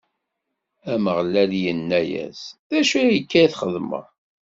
Ameɣlal inna-yas: D acu akka i txedmeḍ?